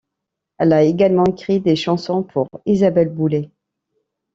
Elle a également écrit des chansons pour Isabelle Boulay.